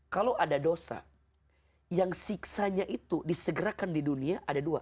kalau ada dosa yang siksanya itu disegerakan di dunia ada dua